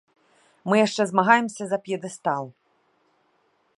Мы яшчэ змагаемся за п'едэстал.